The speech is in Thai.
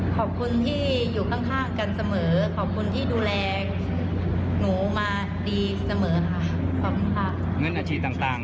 ขอบคุณที่อยู่ข้างกันเสมอขอบคุณที่ดูแลหนูมาดีเสมอค่ะ